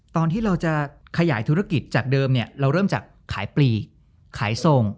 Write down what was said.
ตอนที่เราจะขยายธุรกิจจากเดิมเนี่ยเราเริ่มจากขายปลีขายส่ง